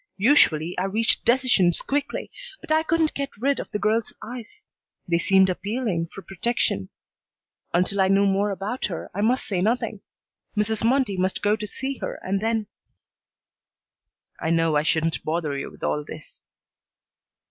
Usually I reached decisions quickly, but I couldn't get rid of the girl's eyes. They seemed appealing for protection. Until I knew more about her I must say nothing. Mrs. Mundy must go to see her and then "I know I shouldn't bother you with all this."